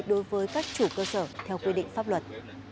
đối với các chủ cơ sở theo quy định pháp luật